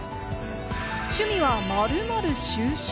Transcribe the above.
趣味は〇〇収集。